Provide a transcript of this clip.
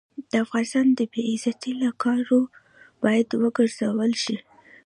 د افغانستان د بې عزتۍ له کارو باید وګرزول شي.